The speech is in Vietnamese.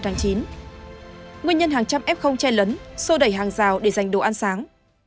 nguyên nhân hàng trăm f che lấn sô đẩy hàng rào để giành đồ ăn sáng